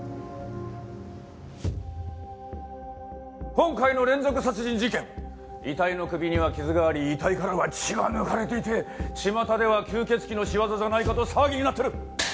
今回の連続殺人事件遺体の首には傷があり遺体からは血が抜かれていてちまたでは吸血鬼の仕業じゃないかと騒ぎになってる。